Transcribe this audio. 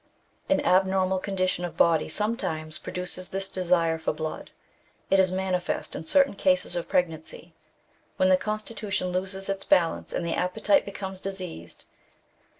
An abnormal condition of body sometimes produces this desire for blood. It is manifest in certain cases of pregnancy, when the constitution loses its balance, and the appetite becomes diseased.